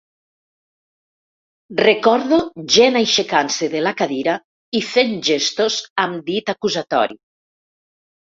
Recordo gent aixecant-se de la cadira i fent gestos amb dit acusatori.